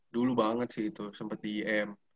dulu banget sih itu sempat di im